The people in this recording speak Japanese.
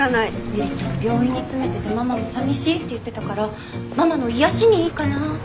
ゆりちゃん病院に詰めててママも寂しいって言ってたからママの癒やしにいいかなって。